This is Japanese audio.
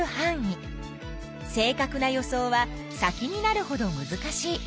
正かくな予想は先になるほどむずかしい。